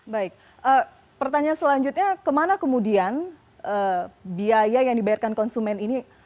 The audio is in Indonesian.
baik pertanyaan selanjutnya kemana kemudian biaya yang dibayarkan konsumen ini